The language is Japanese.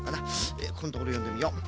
ええここんところよんでみよう。